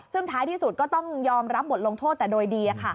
ซึ่งท้ายที่สุดก็ต้องยอมรับบทลงโทษแต่โดยดี